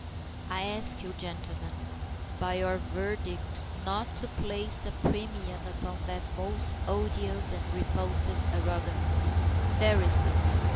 I ask you, gentlemen, by your verdict not to place a premium upon that most odious of all repulsive arrogancies Phariseeism.